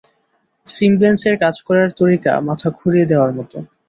সিমব্ল্যান্সের কাজ করার তরিকা মাথা ঘুরিয়ে দেওয়ার মতো।